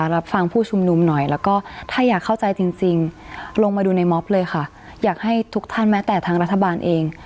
ลงมาดูในมอบเลยค่ะอยากให้ทุกท่านแม้แต่ทางรัฐบาลเอง